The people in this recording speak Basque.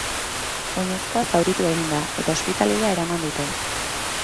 Oinezkoa zauritu egin da, eta ospitalera eraman dute.